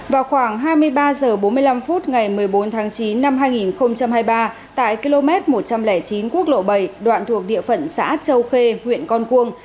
vào khoảng hai mươi ba h bốn mươi năm phút ngày một mươi bốn tháng chín năm hai nghìn hai mươi ba tại km một trăm linh chín quốc lộ bảy đoạn thuộc địa phận xã châu khê huyện con cuông